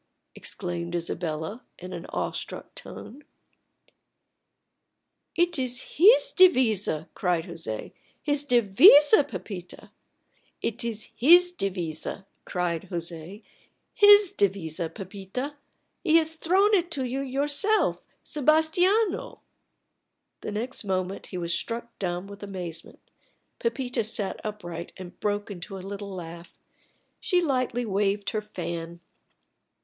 _" exclaimed Isabella, in an awestruck tone. "It is his devisa," cried José "his devisa, Pepita. He has thrown it to you yourself Sebastiano." The next moment he was struck dumb with amazement. Pepita sat upright and broke into a little laugh. She lightly waved her fan.